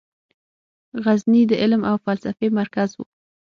غزني د علم او فلسفې مرکز و.